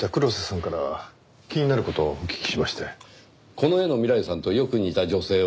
この絵の未来さんとよく似た女性を。